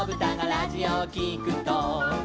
「ラジオをきくと」